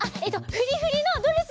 フリフリのドレス！